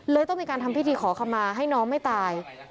ต้องมีการทำพิธีขอคำมาให้น้องไม่ตาย